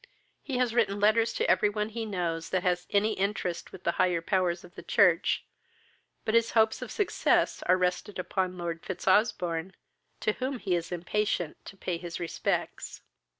He has written letters to every one he knows that has any interest with the higher powers of the church, but his hopes of success are rested upon Lord Fitzosbourne, to whom he is impatient to pay his respects."